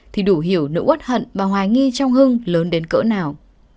thì đủ hiểu nỗi quất hận và hoài nghi trong hưng lớn đến cỡ nào